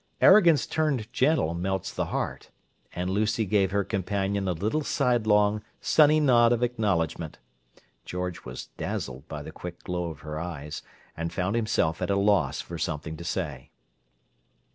Arrogance turned gentle melts the heart; and Lucy gave her companion a little sidelong, sunny nod of acknowledgment. George was dazzled by the quick glow of her eyes, and found himself at a loss for something to say.